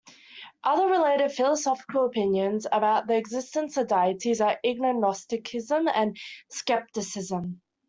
Other related philosophical opinions about the existence of deities are ignosticism and skepticism.